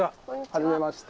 はじめまして。